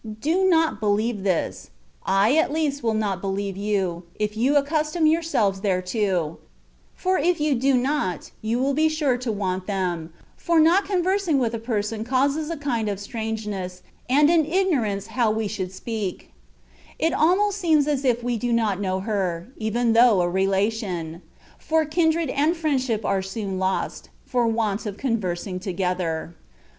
Do not believe this : I at least will not believe you, if you accus tom yourself thereto ; for if you do not, you will be sure to want them, for not conversing with a person causes a kind of strangeness, and an igno rance how we should speak ; it almost seems as if we did not know her, even though a relation ; for kindred and friendship are soon lost, for want of conversing together.